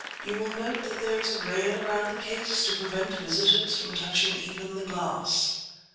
"You will note that there is a rail around the case, to prevent visitors from touching even the glass."